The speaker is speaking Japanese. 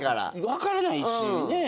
分からないしねえ。